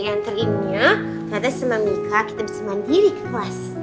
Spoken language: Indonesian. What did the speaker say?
yang terimnya ternyata sama mika kita bisa mandiri ke kelas